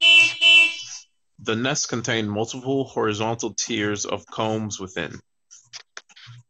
The nests contain multiple, horizontal tiers of combs within.